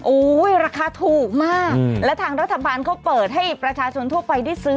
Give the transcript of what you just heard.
ราคาถูกมากและทางรัฐบาลเขาเปิดให้ประชาชนทั่วไปได้ซื้อ